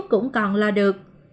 cũng còn lo được